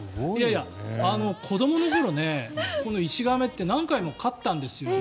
子どもの頃、イシガメって何回も飼ったんですよ。